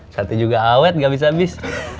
satu juga awet gak bisa abis